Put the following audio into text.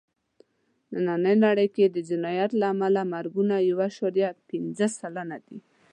نننۍ نړۍ کې د جنایت له امله مرګونه یو عشاریه پینځه سلنه دي.